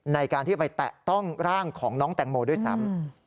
ในการที่จะไปแตะต้องร่างของน้องแตงโมด้วยซ้ำ